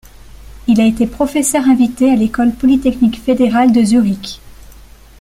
Il a été professeur invité à l'École polytechnique fédérale de Zurich.